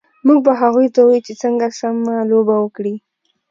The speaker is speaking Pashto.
موږ به هغوی ته ووایو چې څنګه سم لوبه وکړي